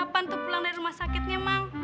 kapan tuh pulang dari rumah sakitnya mang